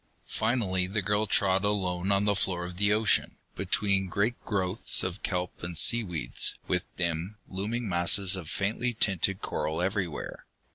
Finally the girl trod alone on the floor of the ocean, between great growths of kelp and seaweeds, with dim, looming masses of faintly tinted coral everywhere.